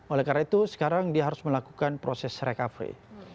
oleh karena itu sekarang dia harus melakukan proses recovery